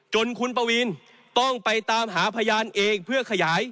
จนคุณปวีนต้องไปตามหาพยานเอก